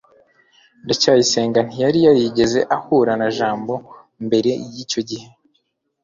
ndacyayisenga ntiyari yarigeze ahura na jabo mbere yicyo gihe